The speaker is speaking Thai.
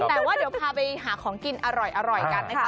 แต่ว่าเดี๋ยวพาไปหาของกินอร่อยกันนะคะ